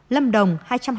lâm đồng hai trăm hai mươi bảy